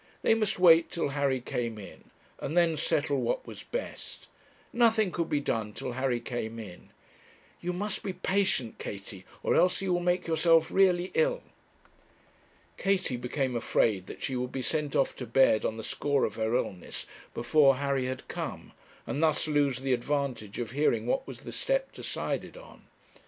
They must wait till Harry came in, and then settle what was best. Nothing could be done till Harry came in. 'You must be patient, Katie, or else you will make yourself really ill.' Katie became afraid that she would be sent off to bed on the score of her illness before Harry had come, and thus lose the advantage of hearing what was the step decided on.